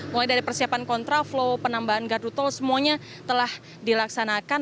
mulai dari persiapan kontraflow penambahan gardu tol semuanya telah dilaksanakan